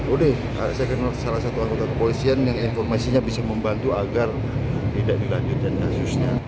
udah saya kenal salah satu anggota kepolisian yang informasinya bisa membantu agar tidak dilanjutkan kasusnya